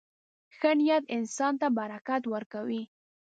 • ښه نیت انسان ته برکت ورکوي.